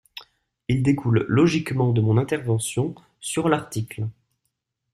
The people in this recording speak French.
Il découle logiquement de mon intervention sur l’article.